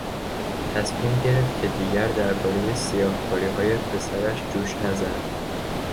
تصمیم گرفت که دیگر دربارهی سیاهکاریهای پسرش جوش نزند.